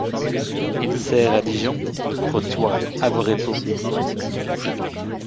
Il sert à Dijon, Le Crotoy, Avord et Pau.